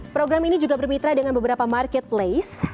program ini juga bermitra dengan beberapa marketplace